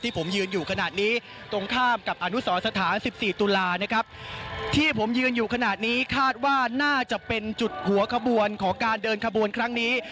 ผมยืนอยู่ขนาดนี้ตรงข้ามกับอนุสรสถาน๑๔ตุลานะครับที่ผมยืนอยู่ขนาดนี้คาดว่าน่าจะเป็นจุดหัวขบวนของการเดินขบวนครั้งนี้